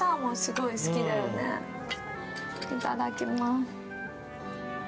いただきます。